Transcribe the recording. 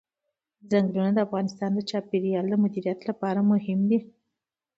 ځنګلونه د افغانستان د چاپیریال د مدیریت لپاره مهم دي.